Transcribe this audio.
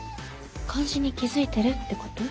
監視に気付いてるってこと？